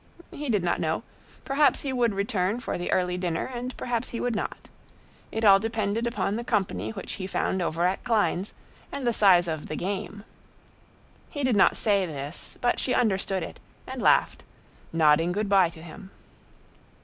He did not know; perhaps he would return for the early dinner and perhaps he would not. It all depended upon the company which he found over at Klein's and the size of "the game." He did not say this, but she understood it, and laughed, nodding good by to him.